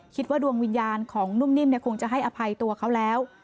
ดวงวิญญาณของนุ่มนิ่มคงจะให้อภัยตัวเขาแล้ว